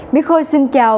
mình khôi xin chào